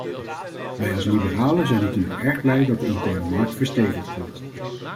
Wij als liberalen zijn natuurlijk erg blij dat de interne markt verstevigd wordt.